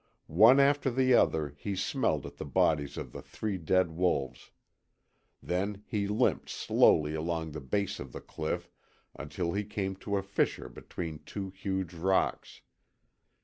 One after the other he smelled at the bodies of the three dead wolves. Then he limped slowly along the base of the cliff until he came to a fissure between two huge rocks.